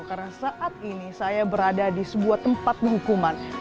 karena saat ini saya berada di sebuah tempat penghukuman